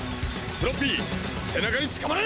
フロッピー背中につかまれ！